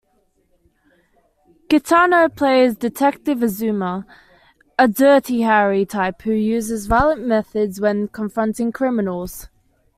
Kitano plays detective Azuma, a "Dirty Harry"-type who uses violent methods when confronting criminals.